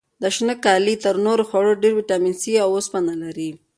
دا شنه کالي تر نورو خوړو ډېر ویټامین سي او وسپنه لري.